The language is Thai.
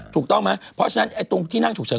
ถูกต้องไหมเพราะฉะนั้นตรงที่นั่งฉุกเฉิน